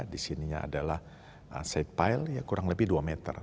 di sininya adalah set pile kurang lebih dua meter